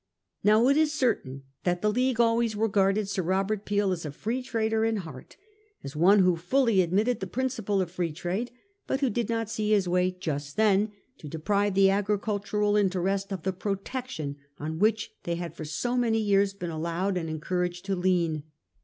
Now it is certain that the League always regarded Sir Robert Peel as a Free Trader in heart ; as one who fully admitted the principle of Free Trade, but who did not see his way just then to deprive the agri cultural interest of the protection on which they had for so many years been allowed and encouraged to lean.